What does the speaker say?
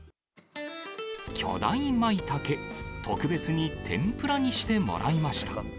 巨大マイタケ、特別に天ぷらにしてもらいました。